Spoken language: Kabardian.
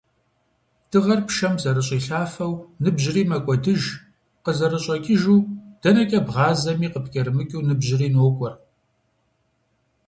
Дыгъэр пшэм зэрыщӏилъафэу, ныбжьри мэкӏуэдыж, къызэрыщӏэкӏыжу - дэнэкӏэ бгъазэми, къыпкӏэрымыхуу ныбжьри нокӏуэ.